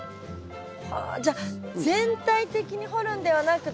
はじゃあ全体的に掘るんではなくて。